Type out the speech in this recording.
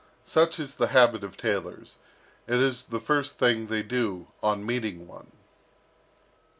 Such is the habit of tailors; it is the first thing they do on meeting one.